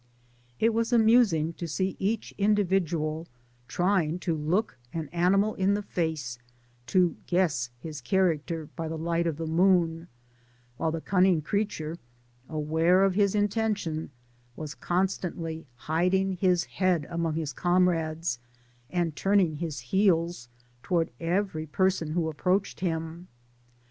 It was amusing to see each individual trying to look an animal in the face, to guess bis character by the light oi the moon, wliile the cunning creature, aware of his intention, was constantly hiding his head among his comrades, Digitized byGoogk SOO JOCBNEY TO THE GOLD MINE OF and turning his heels towards every person who approached him.